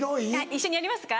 一緒にやりますか？